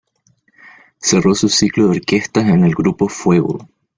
Cerró su ciclo de orquestas en el Grupo Fuego.